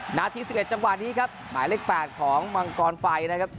นาที๑๑จังหวะนี้ครับหมายเลข๘ของมังกรไฟนะครับ